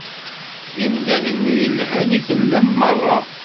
D imdanen i yelhan i tellam merra.